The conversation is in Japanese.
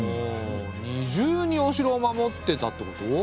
二重にお城を守ってたってこと？